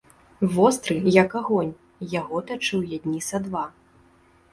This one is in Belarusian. Востры, як агонь, яго тачыў я дні са два.